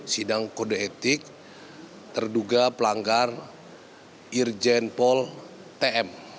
sidang kode etik terduga pelanggar irjenpol tm